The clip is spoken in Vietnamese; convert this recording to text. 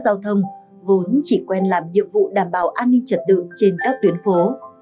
giao thông vốn chỉ quen làm nhiệm vụ đảm bảo an ninh trật tự trên các tuyến phố